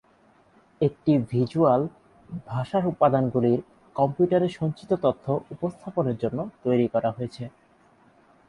একটি ভিজ্যুয়াল ভাষা উপাদানগুলির কম্পিউটারে সঞ্চিত তথ্য উপস্থাপনের জন্য তৈরি করা হয়েছে।